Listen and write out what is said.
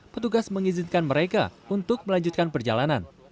petugas mengizinkan mereka untuk melanjutkan perjalanan